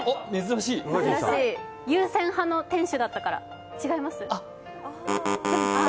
有線派の店主だったから、違います？